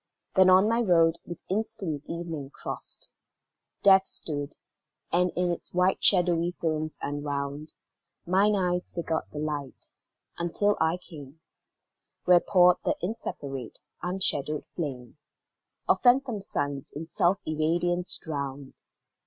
Then on my road, with instant evening crost, Death stood, and in its shadowy films enwound, Mine eyes forgot the light, until I came Where poured the inseparate, unshadowed flame Of phantom suns in self irradiance drowned.